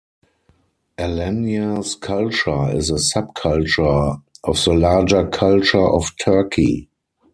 Alanya's culture is a subculture of the larger Culture of Turkey.